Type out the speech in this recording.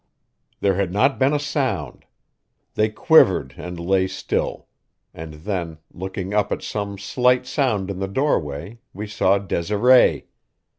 There had not been a sound. They quivered and lay still; and then, looking up at some slight sound in the doorway, we saw Desiree.